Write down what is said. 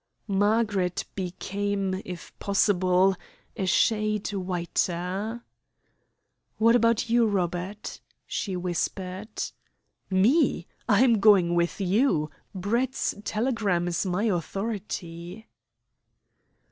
Margaret became, if possible, a shade whiter. "What about you, Robert?" she whispered. "Me! I am going with you. Brett's telegram is my authority."